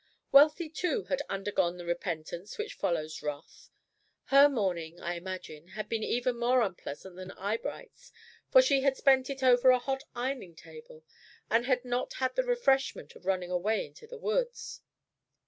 Wealthy, too, had undergone the repentance which follows wrath. Her morning, I imagine, had been even more unpleasant than Eyebright's, for she had spent it over a hot ironing table, and had not had the refreshment of running away into the woods.